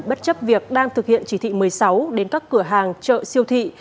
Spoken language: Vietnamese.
bất chấp việc đang thực hiện chỉ thị một mươi sáu đến các cửa hàng chợ siêu thị